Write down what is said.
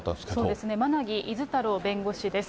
そうですね、馬奈木厳太郎弁護士です。